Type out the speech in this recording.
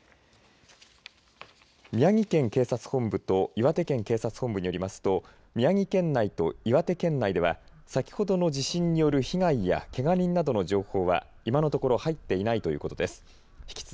宮城県警察本部と岩手県警察本部によりますと宮城県内と岩手県内では先ほどの地震による被害やけが人などの情報は今のところ入っていないということです。